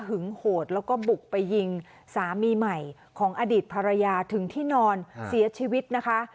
โหดแล้วก็บุกไปยิงสามีใหม่ของอดีตภรรยาถึงที่นอนเสียชีวิตนะคะ